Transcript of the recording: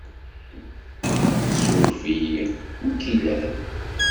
Suref-iyi, wi ik-ilan?